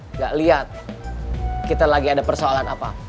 nggak lihat kita lagi ada persoalan apa